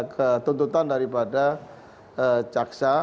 ke tuntutan daripada caksa